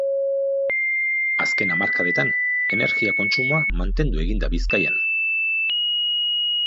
Azken hamarkadetan energia-kontsumoa mantendu egin da Bizkaian.